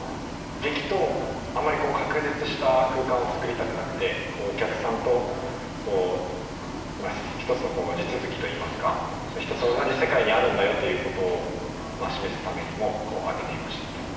劇とあんまり隔絶した空間を作りたくなくてお客さんと一つの地続きと言いますか一つの同じ世界にあるんだよということを示すためにも開けてみました。